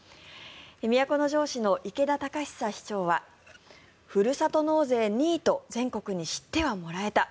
都城市の池田宜永市長はふるさと納税２位と全国に知ってはもらえた。